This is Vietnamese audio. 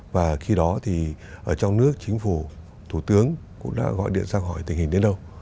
và khi đó thì ở trong nước chính phủ thủ tướng cũng đã gọi điện ra khỏi tình hình đến đâu